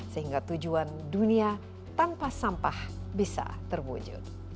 sehingga tujuan dunia tanpa sampah bisa terwujud